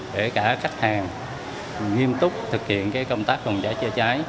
để cả khách hàng nghiêm túc thực hiện công tác phòng cháy chữa cháy